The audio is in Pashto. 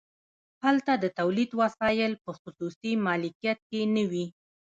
هلته د تولید وسایل په خصوصي مالکیت کې نه وي